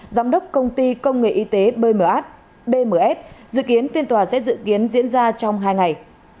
giám đốc công ty công nghệ y tế bmh bms dự kiến phiên tòa sẽ dự kiến diễn ra trong hai ngày